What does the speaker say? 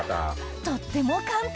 とっても簡単！